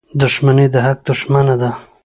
• دښمني د حق دښمنه ده.